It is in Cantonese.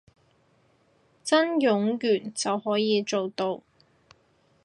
真冗員就可以做到